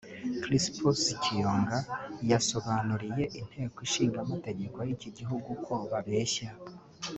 Crispus Kiyonga yasobanuriye Inteko ishingamamtegeko y’iki gihugu ko babeshya